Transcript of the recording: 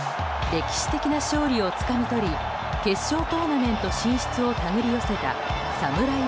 歴史的な勝利をつかみとり決勝トーナメント進出を手繰り寄せたサムライ